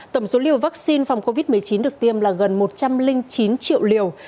tổng số liều vaccine phòng covid một mươi chín được tiêm là gần một trăm linh chín triệu liều